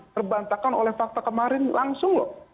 terbantahkan oleh fakta kemarin langsung